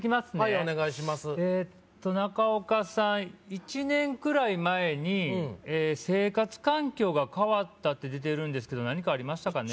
１年くらい前にうん生活環境が変わったって出てるんですけど何かありましたかね？